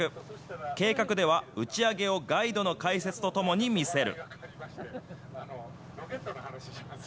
計画では、打ち上げをガイドの解説とともに見せる。